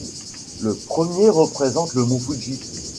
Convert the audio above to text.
Le premier représente le mont Fuji.